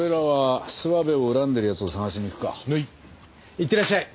いってらっしゃい。